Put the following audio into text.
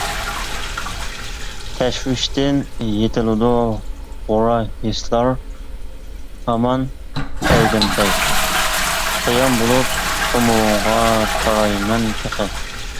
(«تەشۋىش» تىن) يېتىلىدۇ غورا ھېسلار ھامان پەيدىنپەي، قىيام بولۇپ تومۇرۇڭغا تارايمەن تېخى.